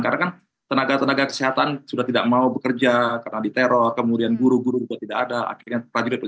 karena kan tenaga tenaga kesehatan sudah tidak mau bekerja karena diteror kemudian guru guru juga tidak ada